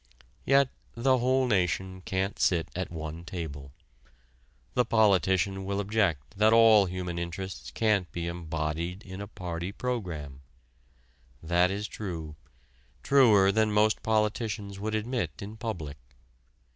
Yet the whole nation can't sit at one table: the politician will object that all human interests can't be embodied in a party program. That is true, truer than most politicians would admit in public.